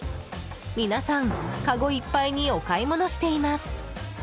皆さん、かごいっぱいにお買い物しています。